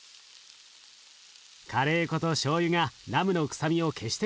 カレー粉としょうゆがラムの臭みを消してくれます。